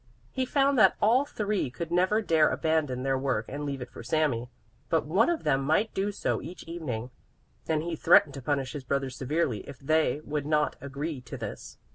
He found that all three could never dare abandon their work and leave it for Sami, but one of them might do so each evening, and he threatened to punish his brothers severely if they would not agree to this.